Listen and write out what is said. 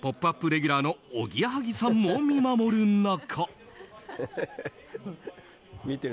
レギュラーのおぎやはぎさんも見守る中。